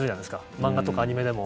漫画とかアニメでも。